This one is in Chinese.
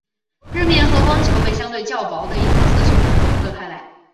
日冕和光球被相对较薄的一层色球分隔开来。